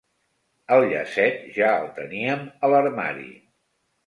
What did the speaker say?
El llacet ja el teníem a l'armari.